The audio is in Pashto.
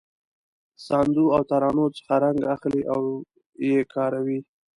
ساندو او ترانو څخه رنګ اخلي او یې کاروي.